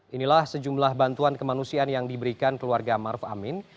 inilah sejumlah bantuan kemanusiaan yang diberikan keluarga maruf amin